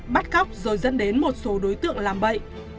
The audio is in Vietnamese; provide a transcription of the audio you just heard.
bắt cóc rồi dẫn đến một số đối tượng làm bậy